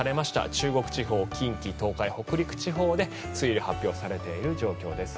中国地方、近畿、東海北陸地方で梅雨入りが発表されている状況です。